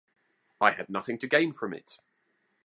I had nothing to gain from it.